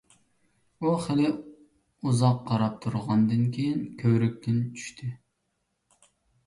ئۇ خېلى ئۇزاق قاراپ تۇرغاندىن كېيىن، كۆۋرۈكتىن چۈشتى.